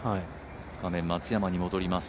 画面、松山に戻ります。